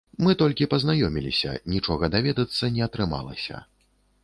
Мы толькі пазнаёміліся, нічога даведацца не атрымалася.